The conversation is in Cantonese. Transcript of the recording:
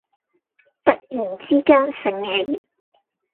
突然之間醒起